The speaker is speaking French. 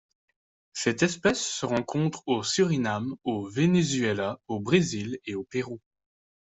Cette espèce se rencontre au Suriname, au Venezuela, au Brésil et au Pérou.